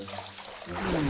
うん。